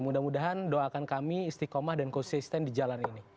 mudah mudahan doakan kami istiqomah dan konsisten di jalan ini